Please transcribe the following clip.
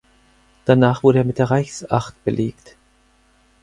Danach wurde er mit der Reichsacht belegt.